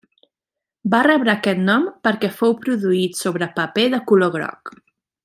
Va rebre aquest nom perquè fou reproduït sobre paper de color groc.